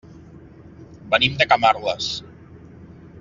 Venim de Camarles.